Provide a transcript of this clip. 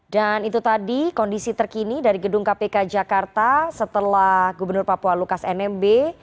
dan itu tadi kondisi terkini dari gedung kpk jakarta setelah gubernur papua lukas nmb